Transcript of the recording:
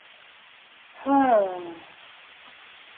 — Һы-ы-ы...